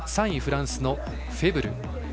３位、フランスのフェブル。